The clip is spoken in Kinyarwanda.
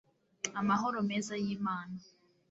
amahoro meza y'imana